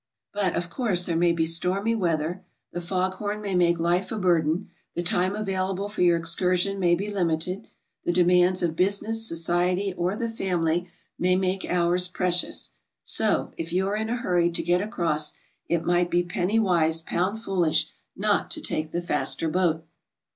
But, of course, there may be stormy weather, the fog horn may make life a burden, the time available for your excursion may be limited, the demands of business, society, or the family may make hours precious. So, if you are in a hurry to get across, it might be penny wise pound foolish not to take the faster boat.